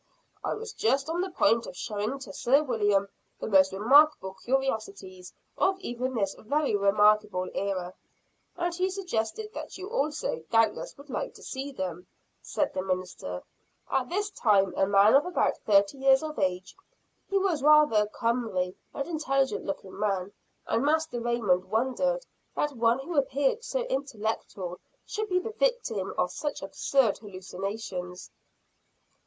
"I was just on the point of showing to Sir William the most remarkable curiosities of even this very remarkable era and he suggested that you also doubtless would like to see them," said the minister; at this time a man of about thirty years of age. He was a rather comely and intelligent looking man, and Master Raymond wondered that one who appeared so intellectual, should be the victim of such absurd hallucinations.